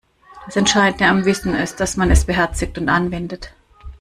Das Entscheidende am Wissen ist, dass man es beherzigt und anwendet.